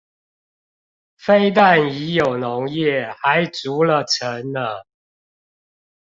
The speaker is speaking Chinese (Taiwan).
非但已有農業，還築了城呢！